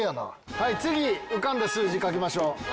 はい次浮かんだ数字書きましょう。